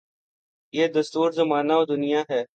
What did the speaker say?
یہ دستور زمانہ و دنیاہے۔